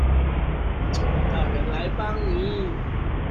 你找不到人來幫你